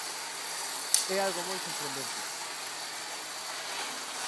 ¡É algo moi sorprendente!